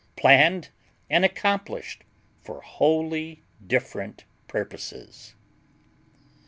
Planned and accomplished for wholly different purposes.